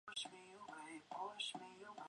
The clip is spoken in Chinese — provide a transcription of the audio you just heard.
弘治十一年戊午科解元。